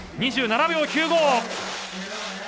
２７秒９５。